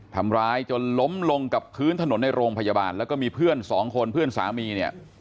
ทำร้ายจนล้มลงกับพื้นถนนในโรงพยาบาลแล้วก็มีเพื่อนสองคนเพื่อนสามีเนี่ย